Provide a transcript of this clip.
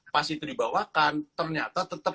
pas itu dibawakan ternyata tetap